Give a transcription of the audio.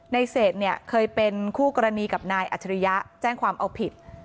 ในเศษเนี่ยเคยเป็นคู่กรณีกับนายอัจฉริยะแจ้งความเอาผิด